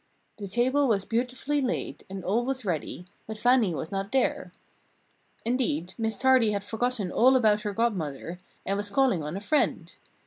The table was beautifully laid, and all was ready, but Fannie was not there. Indeed, Miss Tardy had forgotten all about her Godmother, and was calling on a friend.